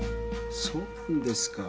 そうなんですか。